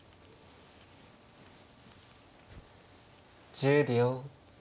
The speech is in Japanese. １０秒。